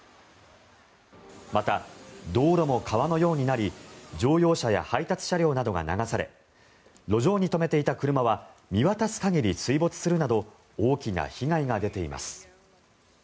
また、道路も川のようになり乗用車や配達車両などが流され路上に止めていた車は見渡す限り水没するなど大きな被害が出ています。